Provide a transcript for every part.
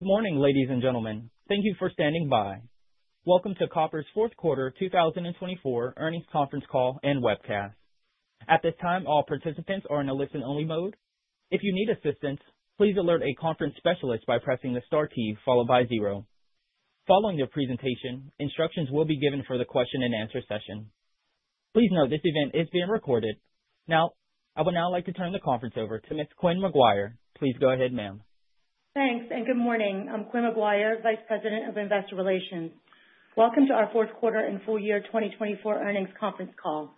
Good morning, ladies and gentlemen. Thank you for standing by. Welcome to Koppers' Fourth Quarter 2024 earnings conference call and webcast. At this time, all participants are in a listen-only mode. If you need assistance, please alert a conference specialist by pressing the star key followed by zero. Following the presentation, instructions will be given for the question-and-answer session. Please note this event is being recorded. Now, I would like to turn the conference over to Ms. Quynh McGuire. Please go ahead, ma'am. Thanks, and good morning. I'm Quynh McGuire, Vice President of Investor Relations. Welcome to our Fourth Quarter and Full Year 2024 earnings conference call.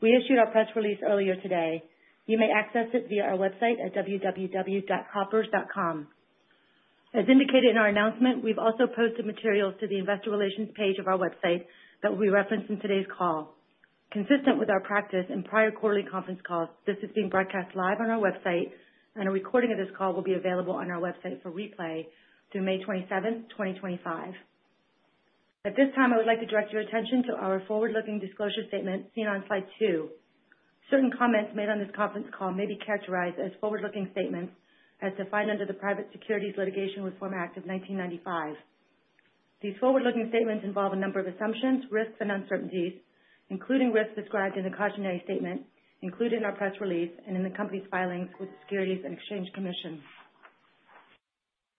We issued our press release earlier today. You may access it via our website at www.koppers.com. As indicated in our announcement, we've also posted materials to the Investor Relations page of our website that we reference in today's call. Consistent with our practice in prior quarterly conference calls, this is being broadcast live on our website, and a recording of this call will be available on our website for replay through May 27, 2025. At this time, I would like to direct your attention to our forward-looking disclosure statement seen on slide two. Certain comments made on this conference call may be characterized as forward-looking statements as defined under the Private Securities Litigation Reform Act of 1995. These forward-looking statements involve a number of assumptions, risks, and uncertainties, including risks described in the cautionary statement included in our press release and in the company's filings with the Securities and Exchange Commission.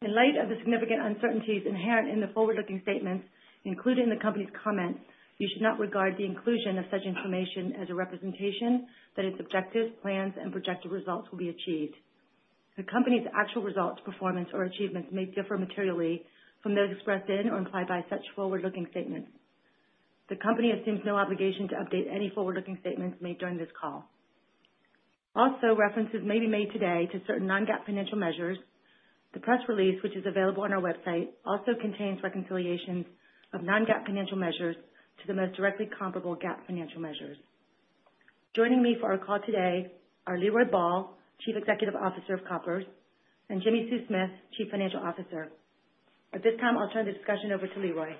In light of the significant uncertainties inherent in the forward-looking statements, including the company's comments, you should not regard the inclusion of such information as a representation that its objectives, plans, and projected results will be achieved. The company's actual results, performance, or achievements may differ materially from those expressed in or implied by such forward-looking statements. The company assumes no obligation to update any forward-looking statements made during this call. Also, references may be made today to certain non-GAAP financial measures. The press release, which is available on our website, also contains reconciliations of non-GAAP financial measures to the most directly comparable GAAP financial measures. Joining me for our call today are Leroy Ball, Chief Executive Officer of Koppers, and Jimmi Sue Smith, Chief Financial Officer. At this time, I'll turn the discussion over to Leroy.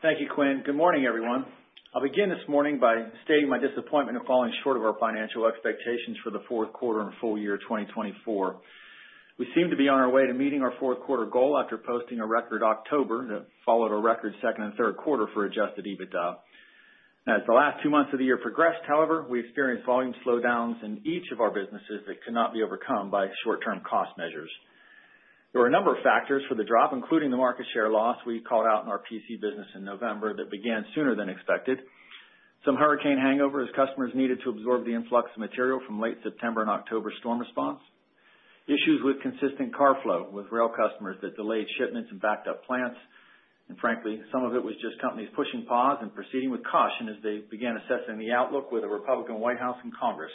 Thank you, Quynh. Good morning, everyone. I'll begin this morning by stating my disappointment in falling short of our financial expectations for the fourth quarter and full year 2024. We seem to be on our way to meeting our fourth quarter goal after posting a record October that followed a record second and third quarter for adjusted EBITDA. As the last two months of the year progressed, however, we experienced volume slowdowns in each of our businesses that could not be overcome by short-term cost measures. There were a number of factors for the drop, including the market share loss we called out in our PC business in November that began sooner than expected. Some hurricane hangover as customers needed to absorb the influx of material from late September and October storm response. Issues with consistent car flow with rail customers that delayed shipments and backed up plants. And frankly, some of it was just companies pushing pause and proceeding with caution as they began assessing the outlook with a Republican White House and Congress.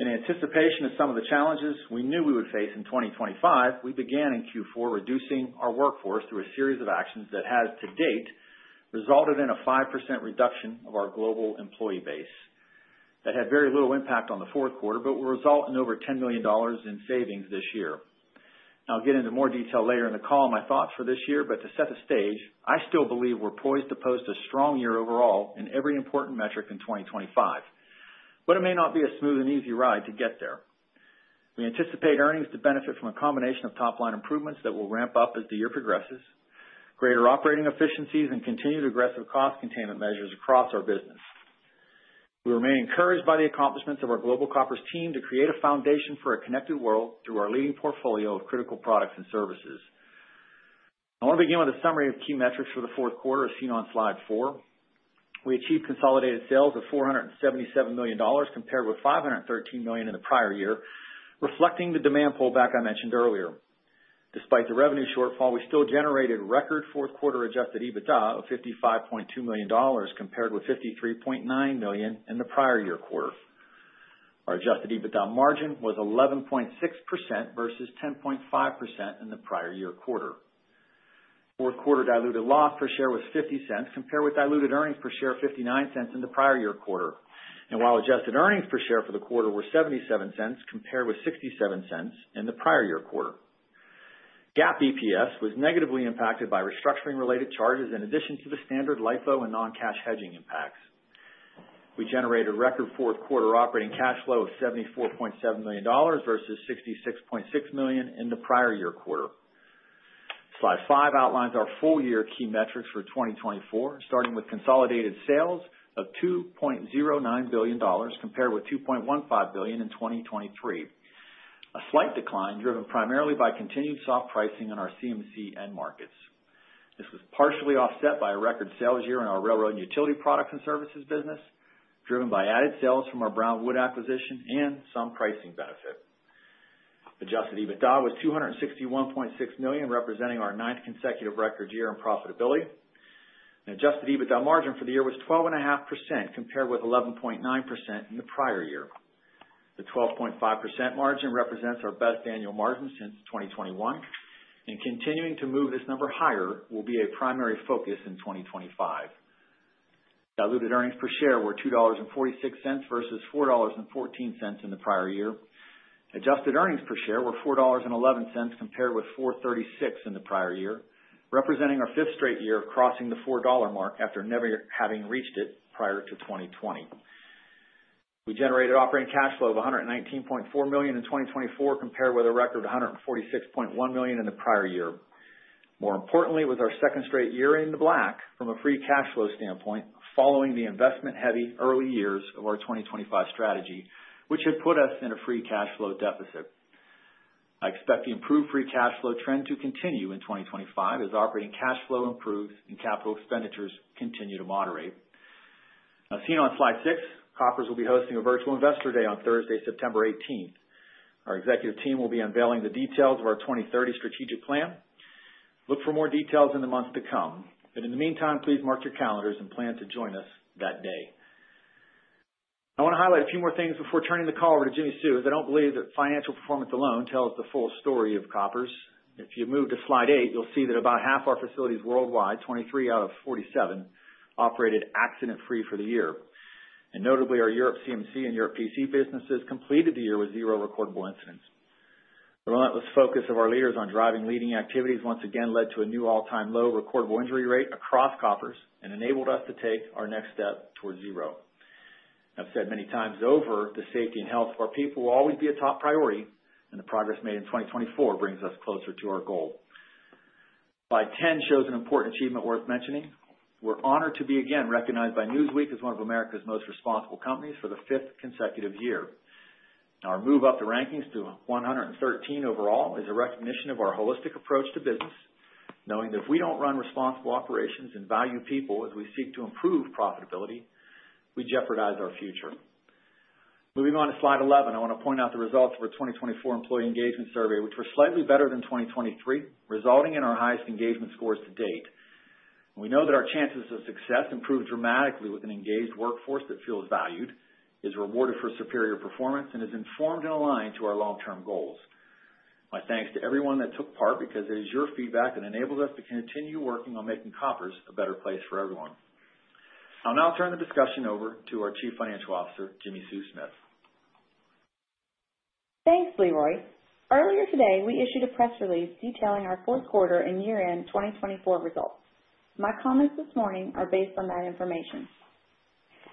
In anticipation of some of the challenges we knew we would face in 2025, we began in Q4 reducing our workforce through a series of actions that has to date resulted in a 5% reduction of our global employee base that had very little impact on the fourth quarter but will result in over $10 million in savings this year. I'll get into more detail later in the call on my thoughts for this year, but to set the stage, I still believe we're poised to post a strong year overall in every important metric in 2025, but it may not be a smooth and easy ride to get there. We anticipate earnings to benefit from a combination of top-line improvements that will ramp up as the year progresses, greater operating efficiencies, and continued aggressive cost containment measures across our business. We remain encouraged by the accomplishments of our Global Koppers team to create a foundation for a connected world through our leading portfolio of critical products and services. I want to begin with a summary of key metrics for the fourth quarter as seen on slide four. We achieved consolidated sales of $477 million compared with $513 million in the prior year, reflecting the demand pullback I mentioned earlier. Despite the revenue shortfall, we still generated record fourth quarter adjusted EBITDA of $55.2 million compared with $53.9 million in the prior year quarter. Our adjusted EBITDA margin was 11.6% versus 10.5% in the prior year quarter. Fourth quarter diluted loss per share was $0.50 compared with diluted earnings per share of $0.59 in the prior year quarter, and while adjusted earnings per share for the quarter were $0.77 compared with $0.67 in the prior year quarter. GAAP EPS was negatively impacted by restructuring-related charges in addition to the standard LIFO and non-cash hedging impacts. We generated a record fourth quarter operating cash flow of $74.7 million versus $66.6 million in the prior year quarter. Slide five outlines our full year key metrics for 2024, starting with consolidated sales of $2.09 billion compared with $2.15 billion in 2023, a slight decline driven primarily by continued soft pricing in our CMC end markets. This was partially offset by a record sales year in our Railroad and Utility Products and Services business, driven by added sales from our Brown Wood acquisition and some pricing benefit. Adjusted EBITDA was $261.6 million, representing our ninth consecutive record year in profitability. Adjusted EBITDA margin for the year was 12.5% compared with 11.9% in the prior year. The 12.5% margin represents our best annual margin since 2021, and continuing to move this number higher will be a primary focus in 2025. Diluted earnings per share were $2.46 versus $4.14 in the prior year. Adjusted earnings per share were $4.11 compared with $4.36 in the prior year, representing our fifth straight year of crossing the $4 mark after never having reached it prior to 2020. We generated operating cash flow of $119.4 million in 2024 compared with a record of $146.1 million in the prior year. More importantly, it was our second straight year in the black from a free cash flow standpoint following the investment-heavy early years of our 2025 strategy, which had put us in a free cash flow deficit. I expect the improved free cash flow trend to continue in 2025 as operating cash flow improves and capital expenditures continue to moderate. As seen on slide six, Koppers will be hosting a Virtual Investor Day on Thursday, September 18th. Our executive team will be unveiling the details of our 2030 strategic plan. Look for more details in the month to come. But in the meantime, please mark your calendars and plan to join us that day. I want to highlight a few more things before turning the call over to Jimmi Sue, as I don't believe that financial performance alone tells the full story of Koppers. If you move to Slide eight, you'll see that about half our facilities worldwide, 23 out of 47, operated accident-free for the year. Notably, our Europe CMC and Europe PC businesses completed the year with zero recordable incidents. The relentless focus of our leaders on driving leading activities once again led to a new all-time low recordable injury rate across Koppers and enabled us to take our next step toward zero. I've said many times over, the safety and health of our people will always be a top priority, and the progress made in 2024 brings us closer to our goal. Slide 10 shows an important achievement worth mentioning. We're honored to be again recognized by Newsweek as one of America's most responsible companies for the fifth consecutive year. Our move up the rankings to 113 overall is a recognition of our holistic approach to business, knowing that if we don't run responsible operations and value people as we seek to improve profitability, we jeopardize our future. Moving on to slide 11, I want to point out the results of our 2024 employee engagement survey, which were slightly better than 2023, resulting in our highest engagement scores to date. We know that our chances of success improve dramatically with an engaged workforce that feels valued, is rewarded for superior performance, and is informed and aligned to our long-term goals. My thanks to everyone that took part because it is your feedback that enables us to continue working on making Koppers a better place for everyone. I'll now turn the discussion over to our Chief Financial Officer, Jimmi Sue Smith. Thanks, Leroy. Earlier today, we issued a press release detailing our fourth quarter and year-end 2024 results. My comments this morning are based on that information.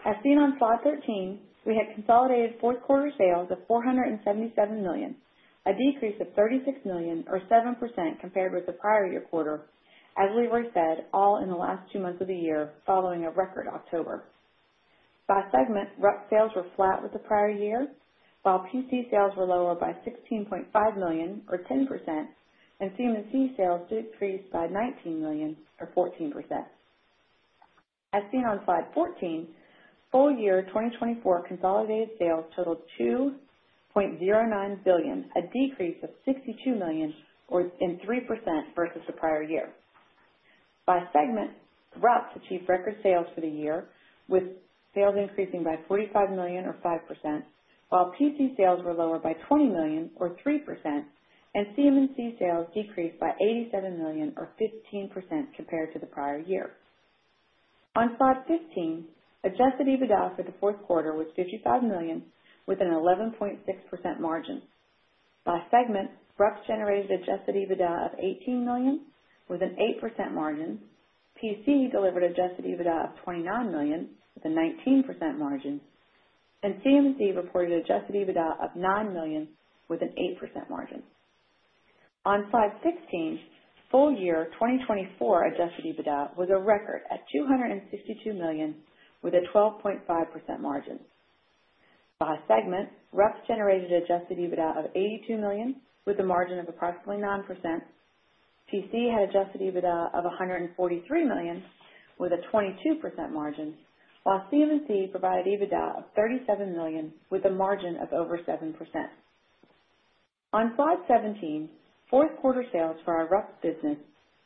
As seen on slide 13, we had consolidated fourth quarter sales of $477 million, a decrease of $36 million, or 7% compared with the prior year quarter, as Leroy said, all in the last two months of the year following a record October. By segment, sales were flat with the prior year, while PC sales were lower by $16.5 million, or 10%, and CMC sales decreased by $19 million, or 14%. As seen on slide 14, full year 2024 consolidated sales totaled $2.09 billion, a decrease of $62 million, or 3% versus the prior year. By segment, RUPS achieved record sales for the year, with sales increasing by $45 million, or 5%, while PC sales were lower by $20 million, or 3%, and CMC sales decreased by $87 million, or 15% compared to the prior year. On slide 15, adjusted EBITDA for the fourth quarter was $55 million, with an 11.6% margin. By segment, RUPS generated adjusted EBITDA of $18 million, with an 8% margin. PC delivered adjusted EBITDA of $29 million, with a 19% margin, and CMC reported adjusted EBITDA of $9 million, with an 8% margin. On slide 16, full year 2024 adjusted EBITDA was a record at $262 million, with a 12.5% margin. By segment, RUPS generated adjusted EBITDA of $82 million, with a margin of approximately 9%. PC had adjusted EBITDA of $143 million, with a 22% margin, while CMC provided EBITDA of $37 million, with a margin of over 7%. On slide 17, fourth quarter sales for our RUPS business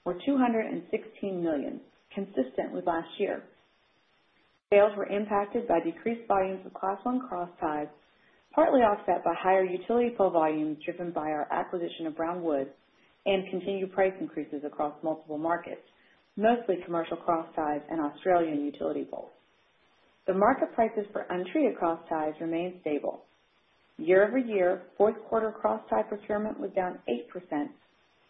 were $216 million, consistent with last year. Sales were impacted by decreased volumes of Class I crossties, partly offset by higher utility pole volumes driven by our acquisition of Brown Wood and continued price increases across multiple markets, mostly commercial crossties and Australian utility poles. The market prices for untreated crossties remained stable. Year-over-year, fourth quarter cross tie procurement was down 8%,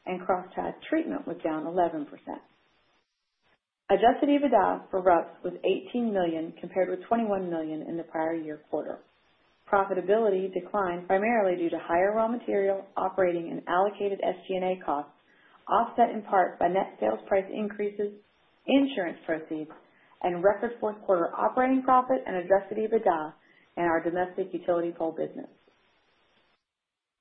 and cross tie treatment was down 11%. Adjusted EBITDA for RUPS was $18 million compared with $21 million in the prior year quarter. Profitability declined primarily due to higher raw material, operating, and allocated SG&A costs, offset in part by net sales price increases, insurance proceeds, and record fourth quarter operating profit and adjusted EBITDA in our domestic utility pole business.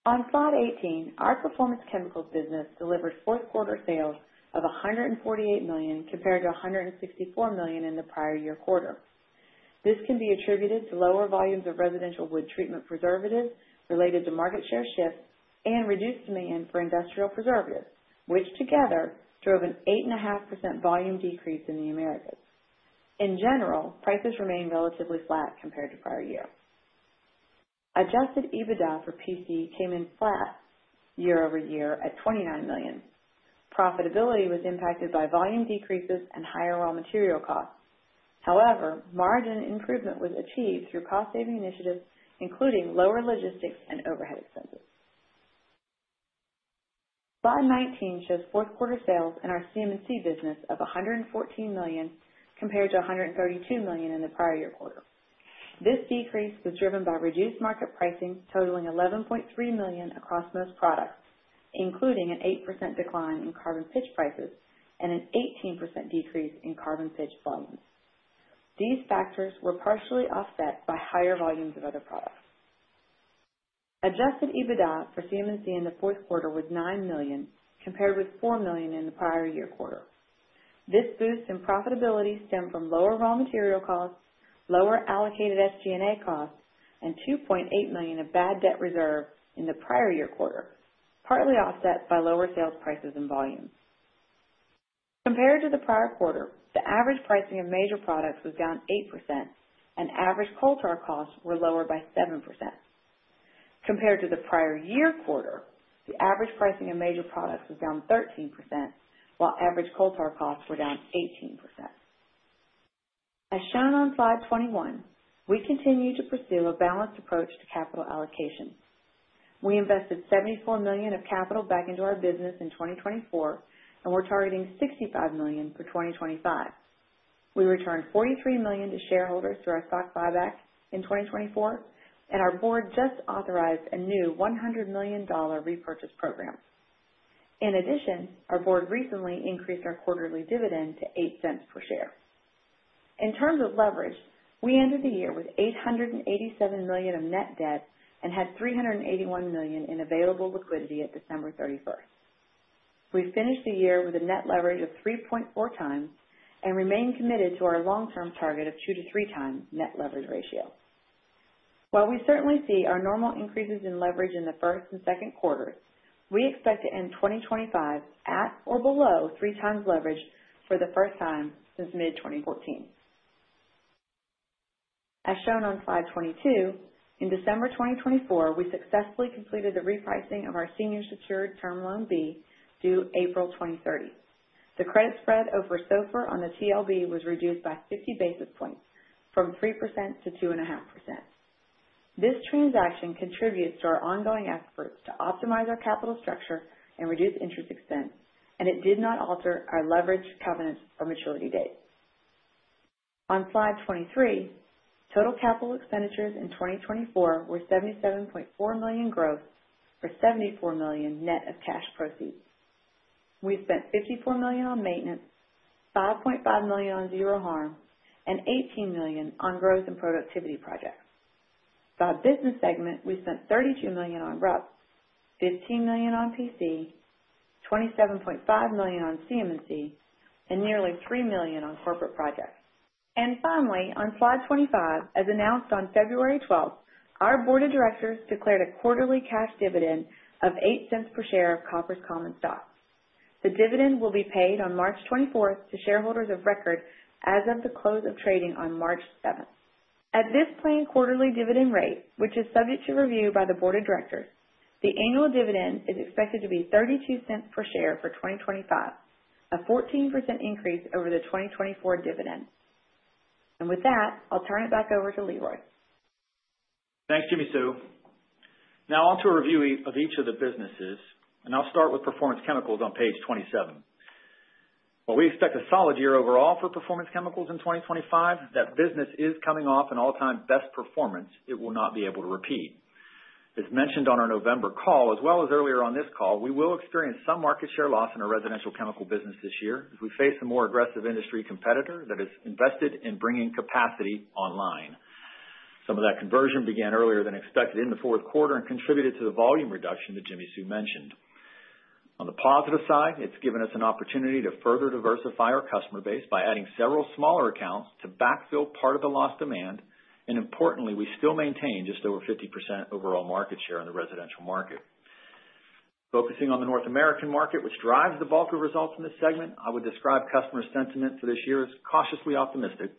On slide 18, our performance chemicals business delivered fourth quarter sales of $148 million compared to $164 million in the prior year quarter. This can be attributed to lower volumes of residential wood treatment preservatives related to market share shift and reduced demand for industrial preservatives, which together drove an 8.5% volume decrease in the Americas. In general, prices remained relatively flat compared to prior year. Adjusted EBITDA for PC came in flat year-over-year at $29 million. Profitability was impacted by volume decreases and higher raw material costs. However, margin improvement was achieved through cost-saving initiatives, including lower logistics and overhead expenses. Slide 19 shows fourth quarter sales in our CMC business of $114 million compared to $132 million in the prior year quarter. This decrease was driven by reduced market pricing totaling $11.3 million across most products, including an 8% decline in carbon pitch prices and an 18% decrease in carbon pitch volumes. These factors were partially offset by higher volumes of other products. Adjusted EBITDA for CMC in the fourth quarter was $9 million compared with $4 million in the prior year quarter. This boost in profitability stemmed from lower raw material costs, lower allocated SG&A costs, and $2.8 million of bad debt reserve in the prior year quarter, partly offset by lower sales prices and volumes. Compared to the prior quarter, the average pricing of major products was down 8%, and average coal tar costs were lower by 7%. Compared to the prior year quarter, the average pricing of major products was down 13%, while average coal tar costs were down 18%. As shown on slide 21, we continue to pursue a balanced approach to capital allocation. We invested $74 million of capital back into our business in 2024, and we're targeting $65 million for 2025. We returned $43 million to shareholders through our stock buyback in 2024, and our board just authorized a new $100 million repurchase program. In addition, our board recently increased our quarterly dividend to $0.08 per share. In terms of leverage, we ended the year with $887 million of net debt and had $381 million in available liquidity at December 31st. We finished the year with a net leverage of 3.4X and remained committed to our long-term target of 2 to 3 times net leverage ratio. While we certainly see our normal increases in leverage in the first and second quarters, we expect to end 2025 at or below 3X leverage for the first time since mid-2014. As shown on slide 22, in December 2024, we successfully completed the repricing of our senior secured Term Loan B due April 2030. The credit spread over SOFR on the TLB was reduced by 50 basis points from 3% to 2.5%. This transaction contributes to our ongoing efforts to optimize our capital structure and reduce interest expense, and it did not alter our leverage covenants or maturity dates. On slide 23, total capital expenditures in 2024 were $77.4 million gross or $74 million net of cash proceeds. We spent $54 million on maintenance, $5.5 million on Zero Harm, and $18 million on growth and productivity projects. By business segment, we spent $32 million on RUPS, $15 million on PC, $27.5 million on CMC, and nearly $3 million on corporate projects. And finally, on slide 25, as announced on February 12th, our board of directors declared a quarterly cash dividend of $0.08 per share of Koppers Common Stock. The dividend will be paid on March 24th to shareholders of record as of the close of trading on March 7th. At this planned quarterly dividend rate, which is subject to review by the board of directors, the annual dividend is expected to be $0.32 per share for 2025, a 14% increase over the 2024 dividend. And with that, I'll turn it back over to Leroy. Thanks, Jimmi Sue. Now on to a review of each of the businesses, and I'll start with Performance Chemicals on page 27. While we expect a solid year overall for Performance Chemicals in 2025, that business is coming off an all-time best performance it will not be able to repeat. As mentioned on our November call, as well as earlier on this call, we will experience some market share loss in our residential chemical business this year as we face a more aggressive industry competitor that has invested in bringing capacity online. Some of that conversion began earlier than expected in the fourth quarter and contributed to the volume reduction that Jimmi Sue mentioned. On the positive side, it's given us an opportunity to further diversify our customer base by adding several smaller accounts to backfill part of the lost demand, and importantly, we still maintain just over 50% overall market share in the residential market. Focusing on the North American market, which drives the bulk of results in this segment, I would describe customer sentiment for this year as cautiously optimistic.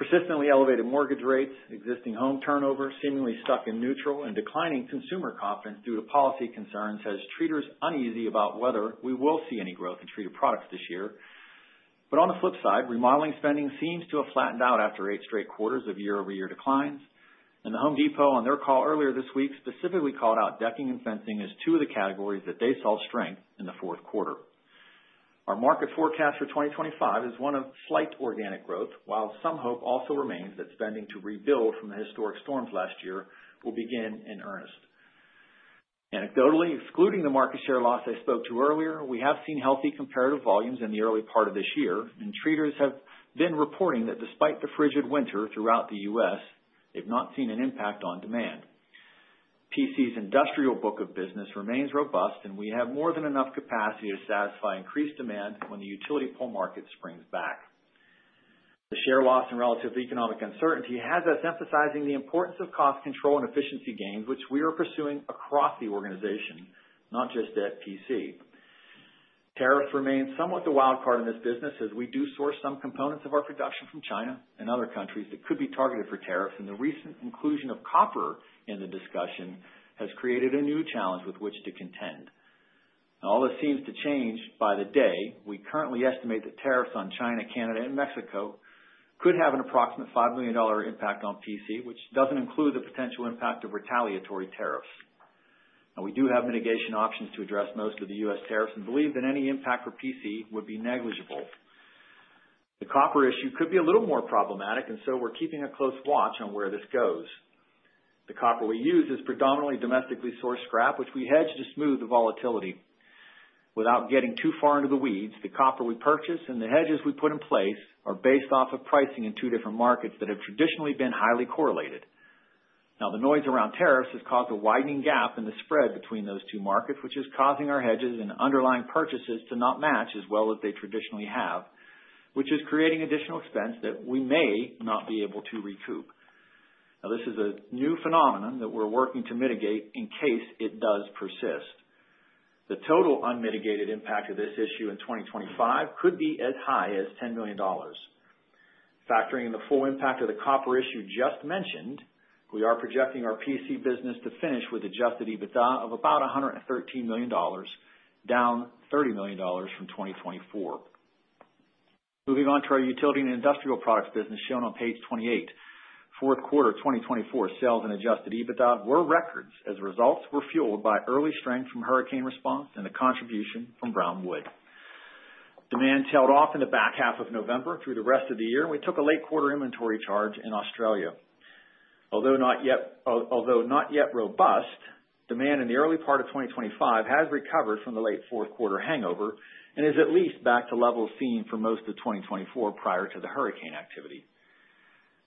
Persistently elevated mortgage rates, existing home turnover, seemingly stuck in neutral, and declining consumer confidence due to policy concerns has treaters uneasy about whether we will see any growth in treater products this year. But on the flip side, remodeling spending seems to have flattened out after eight straight quarters of year-over-year declines, and the Home Depot on their call earlier this week specifically called out decking and fencing as two of the categories that they saw strength in the fourth quarter. Our market forecast for 2025 is one of slight organic growth, while some hope also remains that spending to rebuild from the historic storms last year will begin in earnest. Anecdotally, excluding the market share loss I spoke to earlier, we have seen healthy comparative volumes in the early part of this year, and treaters have been reporting that despite the frigid winter throughout the U.S., they've not seen an impact on demand. PC's industrial book of business remains robust, and we have more than enough capacity to satisfy increased demand when the utility pole market springs back. The share loss and relative economic uncertainty has us emphasizing the importance of cost control and efficiency gains, which we are pursuing across the organization, not just at PC. Tariffs remain somewhat the wild card in this business as we do source some components of our production from China and other countries that could be targeted for tariffs, and the recent inclusion of copper in the discussion has created a new challenge with which to contend. All this seems to change by the day. We currently estimate that tariffs on China, Canada, and Mexico could have an approximate $5 million impact on PC, which doesn't include the potential impact of retaliatory tariffs. We do have mitigation options to address most of the U.S. tariff and believe that any impact for PC would be negligible. The copper issue could be a little more problematic, and so we're keeping a close watch on where this goes. The copper we use is predominantly domestically sourced scrap, which we hedge to smooth the volatility. Without getting too far into the weeds, the copper we purchase and the hedges we put in place are based off of pricing in two different markets that have traditionally been highly correlated. Now, the noise around tariffs has caused a widening gap in the spread between those two markets, which is causing our hedges and underlying purchases to not match as well as they traditionally have, which is creating additional expense that we may not be able to recoup. Now, this is a new phenomenon that we're working to mitigate in case it does persist. The total unmitigated impact of this issue in 2025 could be as high as $10 million. Factoring in the full impact of the copper issue just mentioned, we are projecting our PC business to finish with Adjusted EBITDA of about $113 million, down $30 million from 2024. Moving on to our utility and industrial products business shown on page 28. Fourth quarter 2024 sales and adjusted EBITDA were records as results were fueled by early strength from hurricane response and the contribution from Brown Wood. Demand tailed off in the back half of November through the rest of the year, and we took a late quarter inventory charge in Australia. Although not yet robust, demand in the early part of 2025 has recovered from the late fourth quarter hangover and is at least back to levels seen for most of 2024 prior to the hurricane activity.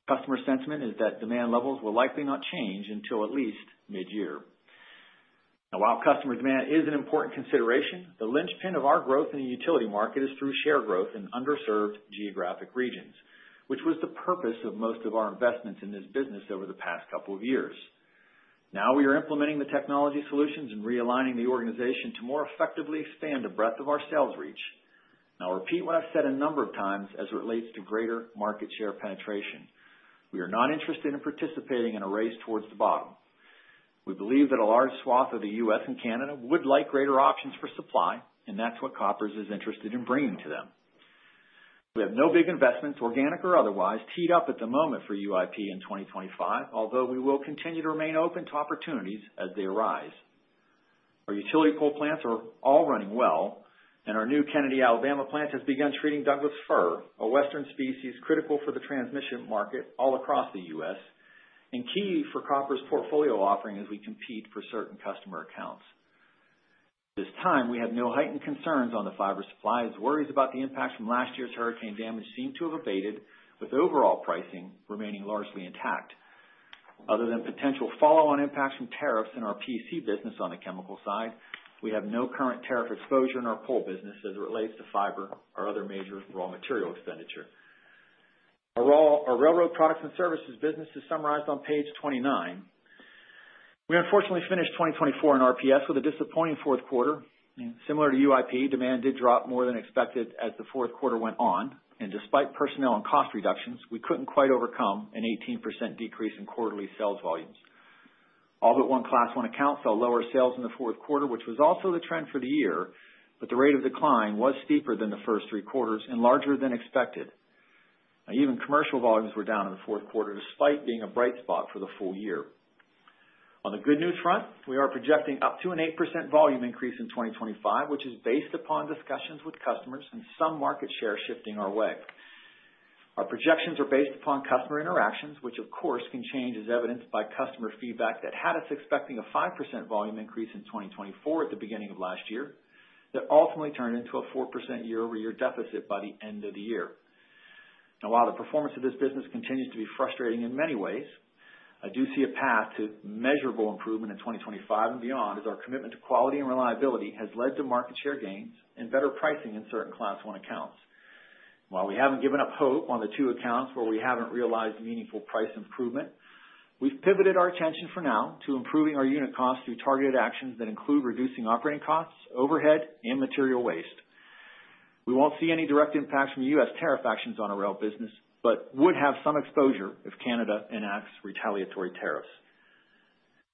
Customer sentiment is that demand levels will likely not change until at least mid-year. Now, while customer demand is an important consideration, the Linchpin of our growth in the utility market is through share growth in underserved geographic regions, which was the purpose of most of our investments in this business over the past couple of years. Now we are implementing the technology solutions and realigning the organization to more effectively expand the breadth of our sales reach. Now, I'll repeat what I've said a number of times as it relates to greater market share penetration. We are not interested in participating in a race towards the bottom. We believe that a large swath of the U.S. and Canada would like greater options for supply, and that's what Koppers is interested in bringing to them. We have no big investments, organic or otherwise, teed up at the moment for UIP in 2025, although we will continue to remain open to opportunities as they arise. Our utility pole plants are all running well, and our new Kennedy, Alabama plant has begun treating Douglas fir, a western species critical for the transmission market all across the U.S., and key for Koppers' portfolio offering as we compete for certain customer accounts. At this time, we have no heightened concerns on the fiber supplies. Worries about the impacts from last year's hurricane damage seem to have abated, with overall pricing remaining largely intact. Other than potential follow-on impacts from tariffs in our PC business on the chemical side, we have no current tariff exposure in our pole business as it relates to fiber or other major raw material expenditure. Our railroad products and services business is summarized on page 29. We unfortunately finished 2024 in RPS with a disappointing fourth quarter. Similar to UIP, demand did drop more than expected as the fourth quarter went on, and despite personnel and cost reductions, we couldn't quite overcome an 18% decrease in quarterly sales volumes. All but one Class I accounts saw lower sales in the fourth quarter, which was also the trend for the year, but the rate of decline was steeper than the first three quarters and larger than expected. Even commercial volumes were down in the fourth quarter, despite being a bright spot for the full year. On the good news front, we are projecting up to an 8% volume increase in 2025, which is based upon discussions with customers and some market share shifting our way. Our projections are based upon customer interactions, which of course can change as evidenced by customer feedback that had us expecting a 5% volume increase in 2024 at the beginning of last year that ultimately turned into a 4% year-over-year deficit by the end of the year. Now, while the performance of this business continues to be frustrating in many ways, I do see a path to measurable improvement in 2025 and beyond as our commitment to quality and reliability has led to market share gains and better pricing in certain Class I accounts. While we haven't given up hope on the two accounts where we haven't realized meaningful price improvement, we've pivoted our attention for now to improving our unit costs through targeted actions that include reducing operating costs, overhead, and material waste. We won't see any direct impacts from U.S. Tariff actions on our rail business, but would have some exposure if Canada enacts retaliatory tariffs.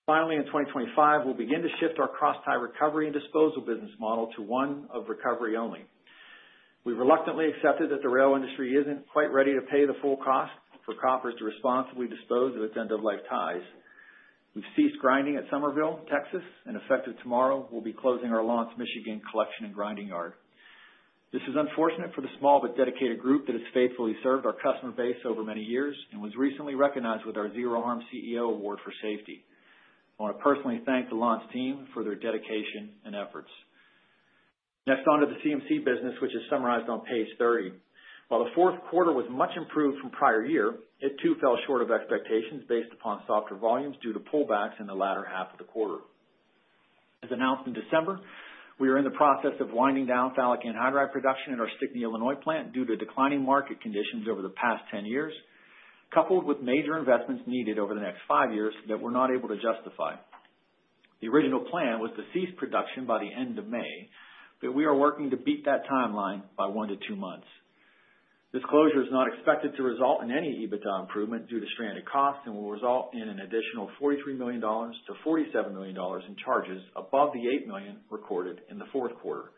Finally, in 2025, we'll begin to shift our cross-tie recovery and disposal business model to one of recovery only. We've reluctantly accepted that the rail industry isn't quite ready to pay the full cost for Koppers to responsibly dispose of its end-of-life ties. We've ceased grinding at Somerville, Texas, and effective tomorrow, we'll be closing our Lawrence Michigan collection and grinding yard. This is unfortunate for the small but dedicated group that has faithfully served our customer base over many years and was recently recognized with our Zero Harm CEO Award for safety. I want to personally thank the Lawrence team for their dedication and efforts. Next on to the CMC business, which is summarized on page 30. While the fourth quarter was much improved from prior year, it too fell short of expectations based upon softer volumes due to pullbacks in the latter half of the quarter. As announced in December, we are in the process of winding down phthalic anhydride production at our Stickney, Illinois plant due to declining market conditions over the past 10 years, coupled with major investments needed over the next five years that we're not able to justify. The original plan was to cease production by the end of May, but we are working to beat that timeline by one to two months. This closure is not expected to result in any EBITDA improvement due to stranded costs and will result in an additional $43 million-$47 million in charges above the $8 million recorded in the fourth quarter.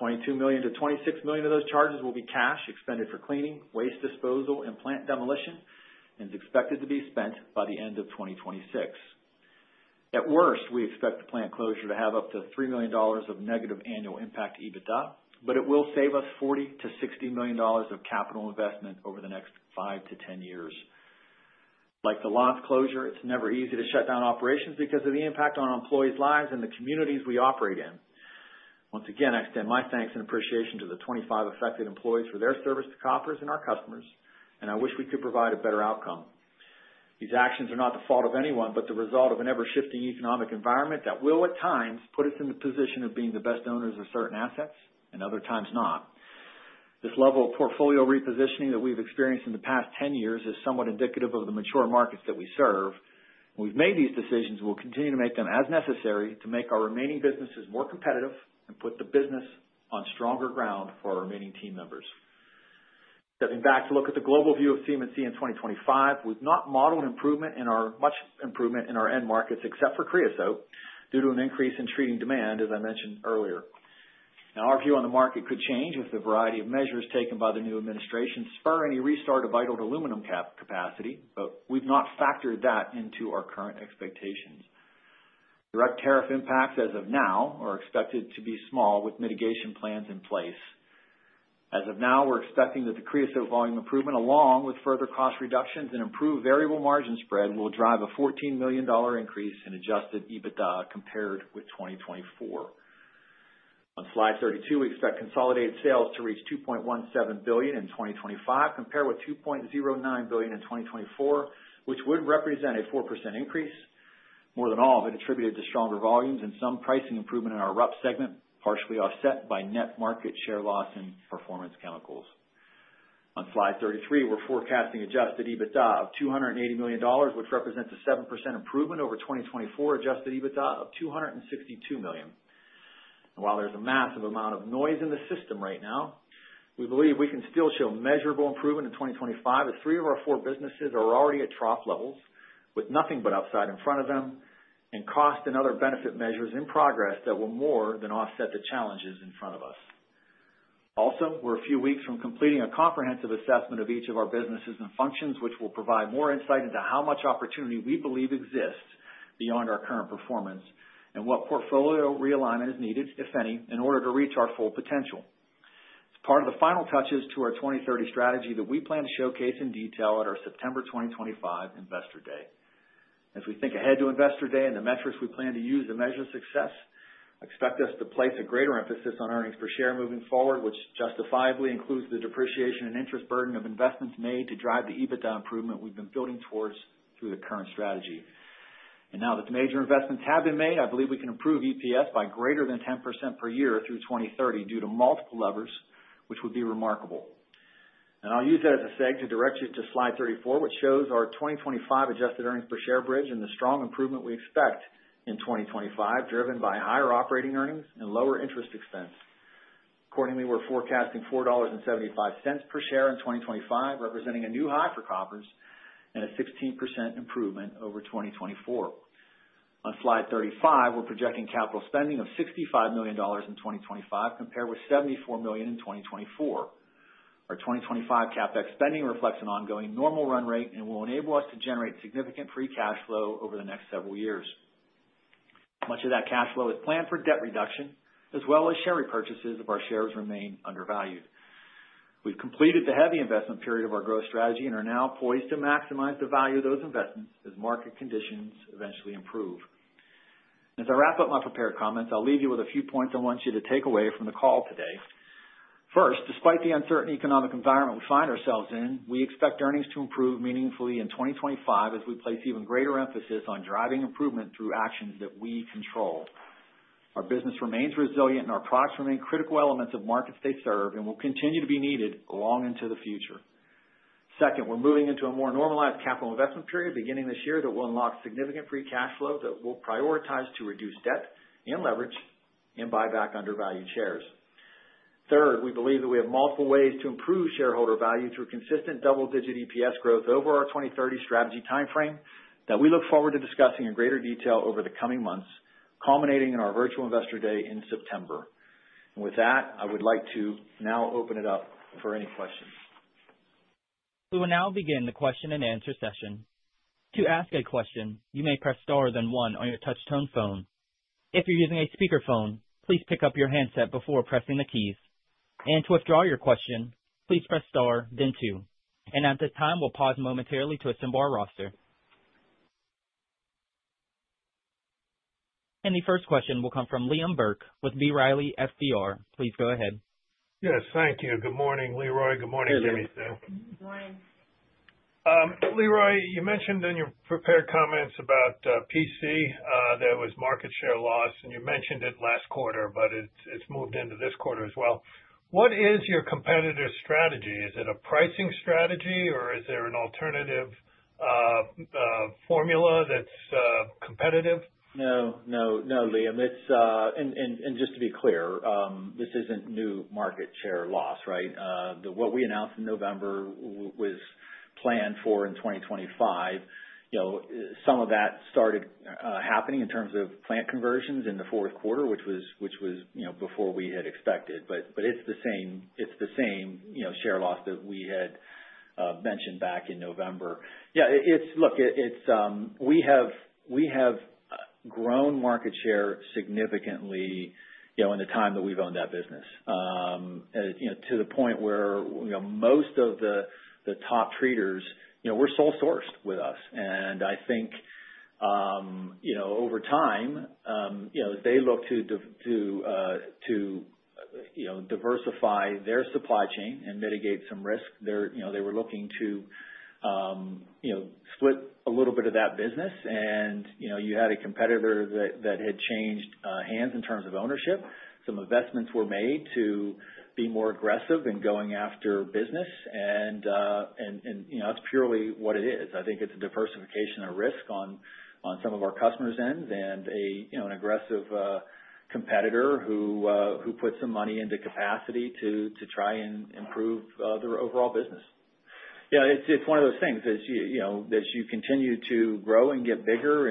$22 million-$26 million of those charges will be cash expended for cleaning, waste disposal, and plant demolition, and is expected to be spent by the end of 2026. At worst, we expect the plant closure to have up to $3 million of negative annual impact EBITDA, but it will save us $40 million-$60 million of capital investment over the next five to 10 years. Like the plant closure, it's never easy to shut down operations because of the impact on employees' lives and the communities we operate in. Once again, I extend my thanks and appreciation to the 25 affected employees for their service to Koppers and our customers, and I wish we could provide a better outcome. These actions are not the fault of anyone, but the result of an ever-shifting economic environment that will, at times, put us in the position of being the best owners of certain assets and other times not. This level of portfolio repositioning that we've experienced in the past 10 years is somewhat indicative of the mature markets that we serve. We've made these decisions and will continue to make them as necessary to make our remaining businesses more competitive and put the business on stronger ground for our remaining team members. Stepping back to look at the global view of CMC in 2025, we've not modeled much improvement in our end markets except for creosote due to an increase in treating demand, as I mentioned earlier. Now, our view on the market could change if the variety of measures taken by the new administration spur any restart of vital aluminum capacity, but we've not factored that into our current expectations. Direct tariff impacts as of now are expected to be small with mitigation plans in place. As of now, we're expecting that the creosote volume improvement, along with further cost reductions and improved variable margin spread, will drive a $14 million increase in adjusted EBITDA compared with 2024. On slide 32, we expect consolidated sales to reach $2.17 billion in 2025, compared with $2.09 billion in 2024, which would represent a 4% increase. More than all, it's attributed to stronger volumes and some pricing improvement in our RUPS segment, partially offset by net market share loss in Performance Chemicals. On slide 33, we're forecasting Adjusted EBITDA of $280 million, which represents a 7% improvement over 2024 Adjusted EBITDA of $262 million, while there's a massive amount of noise in the system right now. We believe we can still show measurable improvement in 2025 as three of our four businesses are already at trough levels with nothing but upside in front of them and cost and other benefit measures in progress that will more than offset the challenges in front of us. Also, we're a few weeks from completing a comprehensive assessment of each of our businesses and functions, which will provide more insight into how much opportunity we believe exists beyond our current performance and what portfolio realignment is needed, if any, in order to reach our full potential. It's part of the final touches to our 2030 strategy that we plan to showcase in detail at our September 2025 Investor Day. As we think ahead to Investor Day and the metrics we plan to use to measure success, expect us to place a greater emphasis on earnings per share moving forward, which justifiably includes the depreciation and interest burden of investments made to drive the EBITDA improvement we've been building towards through the current strategy. And now that the major investments have been made, I believe we can improve EPS by greater than 10% per year through 2030 due to multiple levers, which would be remarkable. And I'll use that as a segue to direct you to slide 34, which shows our 2025 adjusted earnings per share bridge and the strong improvement we expect in 2025, driven by higher operating earnings and lower interest expense. Accordingly, we're forecasting $4.75 per share in 2025, representing a new high for Koppers and a 16% improvement over 2024. On slide 35, we're projecting capital spending of $65 million in 2025, compared with $74 million in 2024. Our 2025 CapEx spending reflects an ongoing normal run rate and will enable us to generate significant free cash flow over the next several years. Much of that cash flow is planned for debt reduction, as well as share repurchases if our shares remain undervalued. We've completed the heavy investment period of our growth strategy and are now poised to maximize the value of those investments as market conditions eventually improve. As I wrap up my prepared comments, I'll leave you with a few points I want you to take away from the call today. First, despite the uncertain economic environment we find ourselves in, we expect earnings to improve meaningfully in 2025 as we place even greater emphasis on driving improvement through actions that we control. Our business remains resilient and our products remain critical elements of markets they serve and will continue to be needed long into the future. Second, we're moving into a more normalized capital investment period beginning this year that will unlock significant free cash flow that we'll prioritize to reduce debt and leverage and buy back undervalued shares. Third, we believe that we have multiple ways to improve shareholder value through consistent double-digit EPS growth over our 2030 strategy timeframe that we look forward to discussing in greater detail over the coming months, culminating in our virtual investor day in September. And with that, I would like to now open it up for any questions. We will now begin the question and answer session. To ask a question, you may press star then one on your touch-tone phone. If you're using a speakerphone, please pick up your handset before pressing the keys. And to withdraw your question, please press star, then two. And at this time, we'll pause momentarily to assemble our roster. And the first question will come from Liam Burke with B. Riley Securities. Please go ahead. Yes, thank you. Good morning, Leroy. Good morning, Jimmi Smith. Good morning. Leroy, you mentioned in your prepared comments about PC there was market share loss, and you mentioned it last quarter, but it's moved into this quarter as well. What is your competitor strategy? Is it a pricing strategy, or is there an alternative formula that's competitive? No, no, no, Liam. And just to be clear, this isn't new market share loss, right? What we announced in November was planned for in 2025. Some of that started happening in terms of plant conversions in the fourth quarter, which was before we had expected. But it's the same share loss that we had mentioned back in November. Yeah, look, we have grown market share significantly in the time that we've owned that business to the point where most of the top treaters, we're sole sourced with us. And I think over time, as they look to diversify their supply chain and mitigate some risk, they were looking to split a little bit of that business. And you had a competitor that had changed hands in terms of ownership. Some investments were made to be more aggressive in going after business. And that's purely what it is. I think it's a diversification of risk on some of our customers' ends and an aggressive competitor who puts some money into capacity to try and improve their overall business. Yeah, it's one of those things. As you continue to grow and get bigger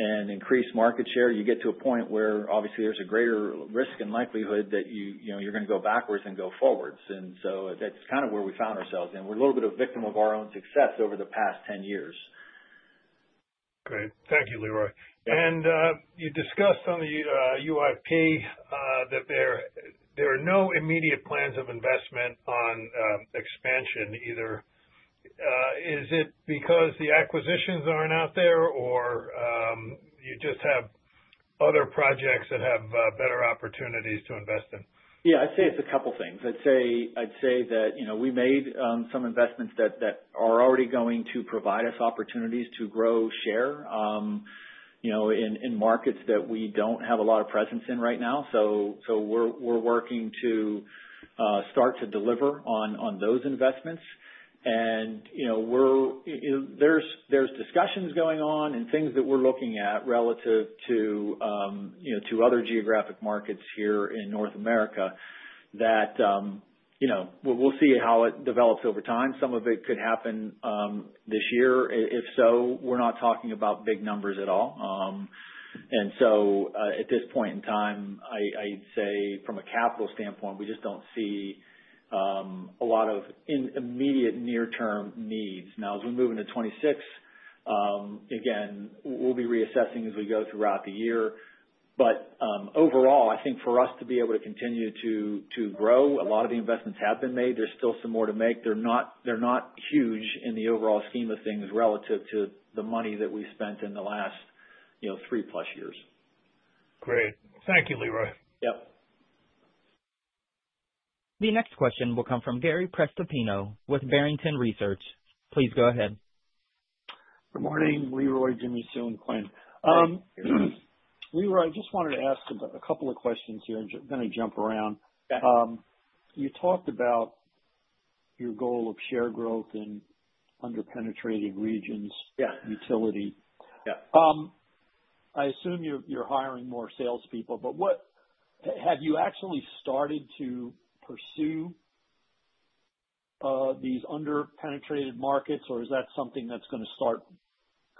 and increase market share, you get to a point where obviously there's a greater risk and likelihood that you're going to go backwards and go forwards, and so that's kind of where we found ourselves, and we're a little bit a victim of our own success over the past 10 years. Great. Thank you, Leroy. And you discussed on the UIP that there are no immediate plans of investment on expansion. Is it because the acquisitions aren't out there, or you just have other projects that have better opportunities to invest in? Yeah, I'd say it's a couple of things. I'd say that we made some investments that are already going to provide us opportunities to grow share in markets that we don't have a lot of presence in right now. So we're working to start to deliver on those investments. And there's discussions going on and things that we're looking at relative to other geographic markets here in North America that we'll see how it develops over time. Some of it could happen this year. If so, we're not talking about big numbers at all. And so at this point in time, I'd say from a capital standpoint, we just don't see a lot of immediate near-term needs. Now, as we move into 2026, again, we'll be reassessing as we go throughout the year. But overall, I think for us to be able to continue to grow, a lot of the investments have been made. There's still some more to make. They're not huge in the overall scheme of things relative to the money that we spent in the last three-plus years. Great. Thank you, Leroy. Yep. The next question will come from Gary Prestopino with Barrington Research. Please go ahead. Good morning, Leroy, Jimmi Sue, Quynh. Leroy, I just wanted to ask a couple of questions here. I'm going to jump around. You talked about your goal of share growth in underpenetrated regions, utility. I assume you're hiring more salespeople, but have you actually started to pursue these underpenetrated markets, or is that something that's going to start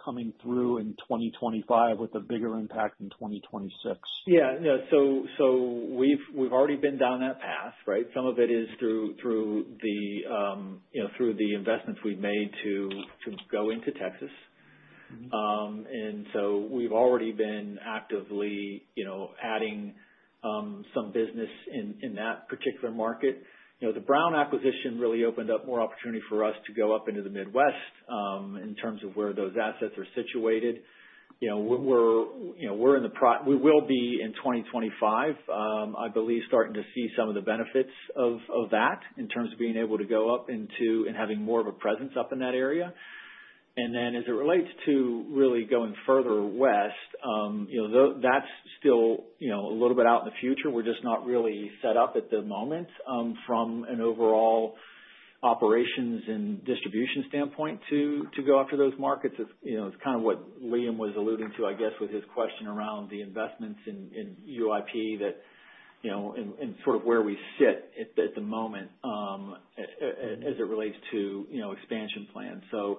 coming through in 2025 with a bigger impact in 2026? Yeah, no. So we've already been down that path, right? Some of it is through the investments we've made to go into Texas. And so we've already been actively adding some business in that particular market. The Brown acquisition really opened up more opportunity for us to go up into the Midwest in terms of where those assets are situated. We will be in 2025, I believe, starting to see some of the benefits of that in terms of being able to go up into and having more of a presence up in that area. And then as it relates to really going further west, that's still a little bit out in the future. We're just not really set up at the moment from an overall operations and distribution standpoint to go after those markets. It's kind of what Liam was alluding to, I guess, with his question around the investments in UIP and sort of where we sit at the moment as it relates to expansion plans. So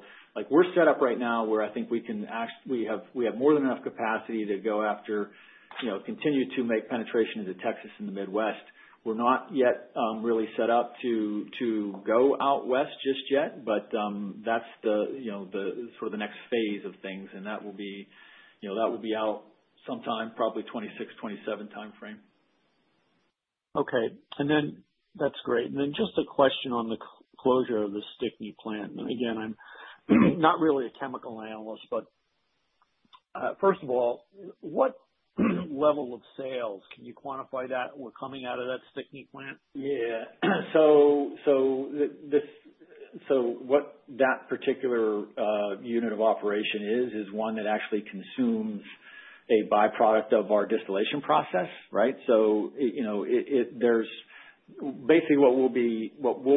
we're set up right now where I think we have more than enough capacity to go after, continue to make penetration into Texas and the Midwest. We're not yet really set up to go out west just yet, but that's sort of the next phase of things. And that will be out sometime, probably 2026, 2027 timeframe. Okay. And then that's great. And then just a question on the closure of the Stickney plant. Again, I'm not really a chemical analyst, but first of all, what level of sales can you quantify that we're coming out of that Stickney plant? Yeah. So what that particular unit of operation is, is one that actually consumes a byproduct of our distillation process, right? So basically, what we'll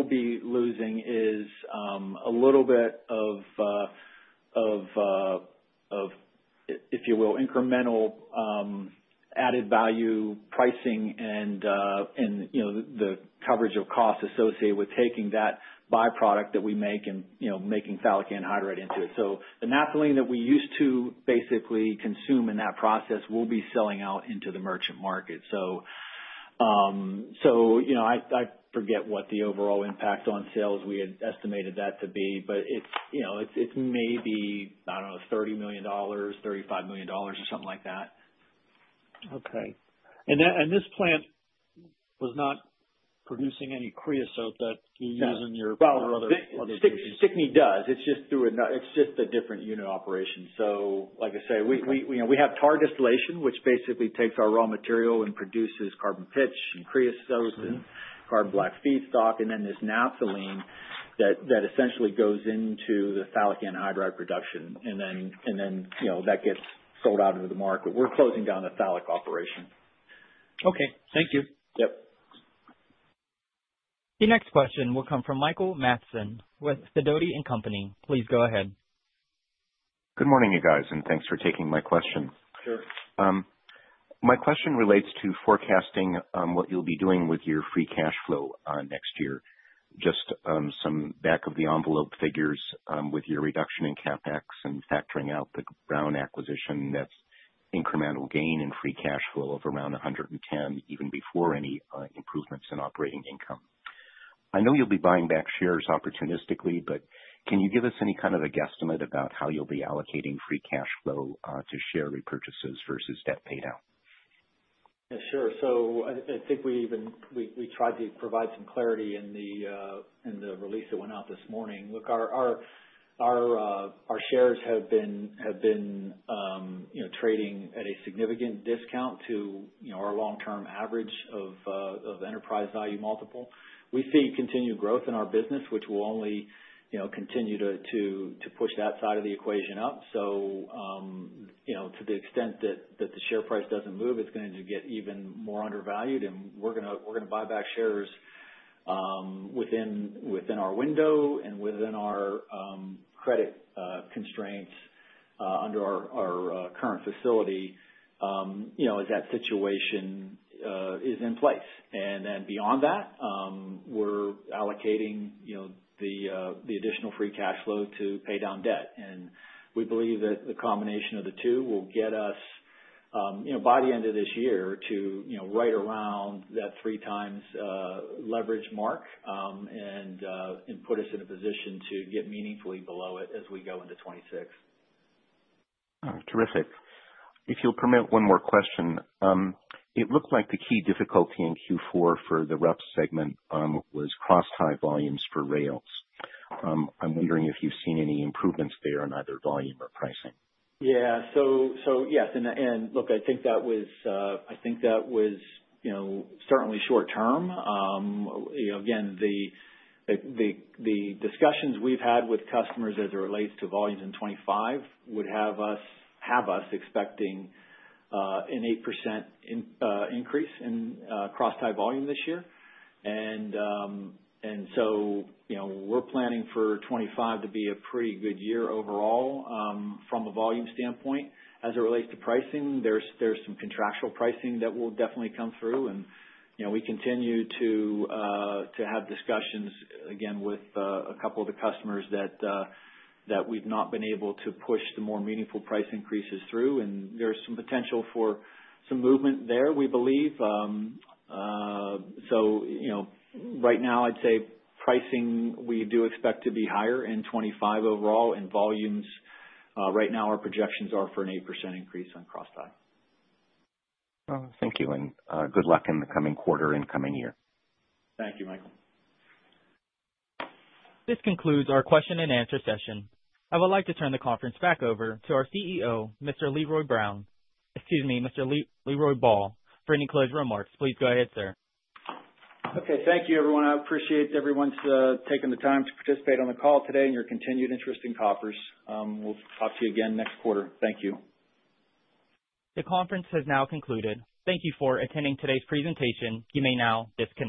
be losing is a little bit of, if you will, incremental added value pricing and the coverage of costs associated with taking that byproduct that we make and making phthalic anhydride into it. So the naphthalene that we used to basically consume in that process will be selling out into the merchant market. So I forget what the overall impact on sales we had estimated that to be, but it's maybe, I don't know, $30 million, $35 million or something like that. Okay. And this plant was not producing any creosote that you use in your other distillation? Well, Stickney does. It's just a different unit of operation. So like I say, we have tar distillation, which basically takes our raw material and produces carbon pitch and creosote and carbon black feedstock. And then there's naphthalene that essentially goes into the phthalic anhydride production. And then that gets sold out into the market. We're closing down the phthalic operation. Okay. Thank you. Yep. The next question will come from Michael Mathison with Sidoti & Company. Please go ahead. Good morning, you guys, and thanks for taking my question. My question relates to forecasting what you'll be doing with your free cash flow next year. Just some back-of-the-envelope figures with your reduction in CapEx and factoring out the Brown acquisition, that's incremental gain in free cash flow of around $110, even before any improvements in operating income. I know you'll be buying back shares opportunistically, but can you give us any kind of a guesstimate about how you'll be allocating free cash flow to share repurchases versus debt paydown? Yeah, sure. So I think we tried to provide some clarity in the release that went out this morning. Look, our shares have been trading at a significant discount to our long-term average of enterprise value multiple. We see continued growth in our business, which will only continue to push that side of the equation up. So to the extent that the share price doesn't move, it's going to get even more undervalued. And we're going to buy back shares within our window and within our credit constraints under our current facility as that situation is in place. And then beyond that, we're allocating the additional free cash flow to pay down debt. We believe that the combination of the two will get us by the end of this year to right around that three-times leverage mark and put us in a position to get meaningfully below it as we go into 2026. Terrific. If you'll permit, one more question. It looked like the key difficulty in Q4 for the RUPS segment was cross-tie volumes for rails. I'm wondering if you've seen any improvements there in either volume or pricing? Yeah. So yes. And look, I think that was I think that was certainly short-term. Again, the discussions we've had with customers as it relates to volumes in 2025 would have us expecting an 8% increase in cross-tie volume this year. And so we're planning for 2025 to be a pretty good year overall from a volume standpoint. As it relates to pricing, there's some contractual pricing that will definitely come through. And we continue to have discussions, again, with a couple of the customers that we've not been able to push the more meaningful price increases through. And there's some potential for some movement there, we believe. So right now, I'd say pricing, we do expect to be higher in 2025 overall. And volumes right now, our projections are for an 8% increase on cross-tie. Thank you, and good luck in the coming quarter and coming year. Thank you, Mike. This concludes our question-and-answer session. I would like to turn the conference back over to our CEO, Mr. Leroy Brown, excuse me, Mr. Leroy Ball, for any closing remarks. Please go ahead, sir. Okay. Thank you, everyone. I appreciate everyone's taking the time to participate on the call today and your continued interest in Koppers. We'll talk to you again next quarter. Thank you. The conference has now concluded. Thank you for attending today's presentation. You may now disconnect.